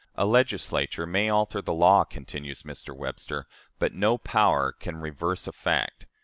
A Legislature may alter the law,' continues Mr. Webster, 'but no power can reverse a fact.'